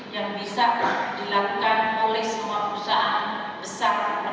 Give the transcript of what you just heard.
yang bisa dilakukan oleh semua perusahaan besar